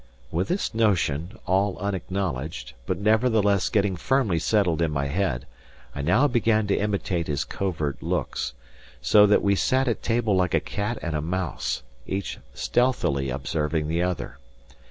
With this notion, all unacknowledged, but nevertheless getting firmly settled in my head, I now began to imitate his covert looks; so that we sat at table like a cat and a mouse, each stealthily observing the other.